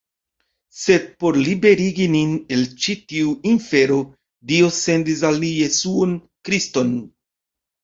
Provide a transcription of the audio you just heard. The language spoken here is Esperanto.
Sed por liberigi nin el ĉi tiu infero, Dio sendis al ni Jesuon Kriston.